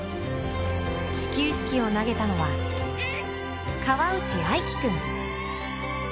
始球式を投げたのは、河内愛季君。